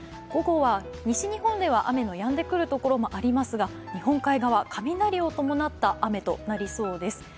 午後は西日本では雨のやんでくる所もありますが日本海側、雷を伴った雨となりそうです。